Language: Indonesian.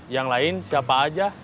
yang lain siapa aja